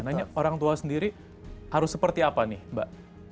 nanya orang tua sendiri harus seperti apa nih mbak